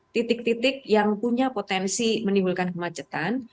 titik titik yang punya potensi menimbulkan kemacetan